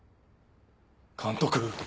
監督。